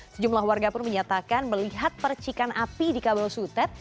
sejumlah warga pun menyatakan melihat percikan api di kabel sutet